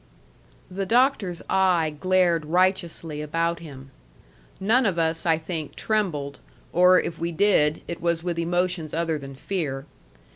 The Doctor's eye glared righteously about him. None of us, I think, trembled; or, if we did, it was with emotions other than fear.